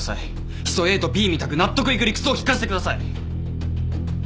ヒ素ＡとＢみたく納得いく理屈を聞かせてください。